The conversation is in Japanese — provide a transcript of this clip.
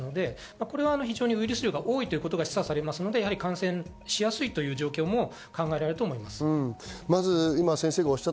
これはウイルス量が多いということが示唆されますので感染しやすいといえると思います。